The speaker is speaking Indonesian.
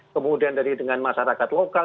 kemudian dari dengan masyarakat lokal